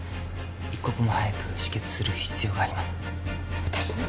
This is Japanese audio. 一刻も早く止血する必要があります。